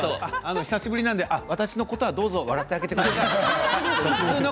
久しぶりなので皆さん、私のことは笑ってやってください。